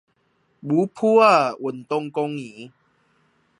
牛埔仔運動公園